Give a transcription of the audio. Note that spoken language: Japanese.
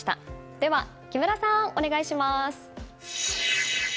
では木村さん、お願いします。